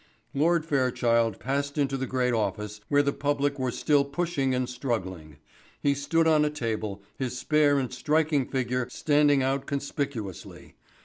Lord Fairchild passed into the great office where the public were still pushing and struggling. He stood on a table, his spare and striking figure standing out conspicuously.